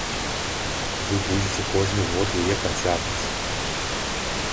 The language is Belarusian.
Вы будзеце кожны год яе працягваць?